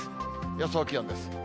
予想気温です。